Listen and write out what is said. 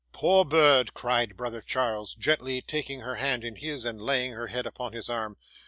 'Poor bird!' cried brother Charles, gently taking her hand in his, and laying her head upon his arm.